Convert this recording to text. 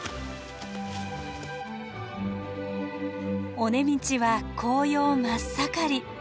尾根道は紅葉真っ盛り。